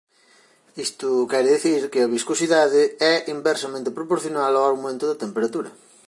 Isto quere dicir que a viscosidade é inversamente proporcional ao aumento da temperatura.